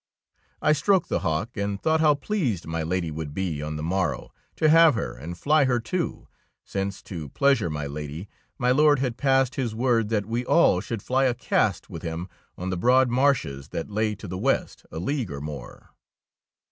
I stroked the hawk, and thought how pleased my Lady would be on the morrow to have her and fly her too, since, to pleasure my Lady, my Lord had passed his word that we all should fly a cast with him on the broad marches that lay to the west a league or more.